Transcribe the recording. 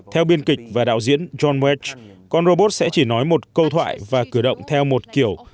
theo biên kịch và đạo diễn john west con robot sẽ chỉ nói một câu thoại và cử động theo một kiểu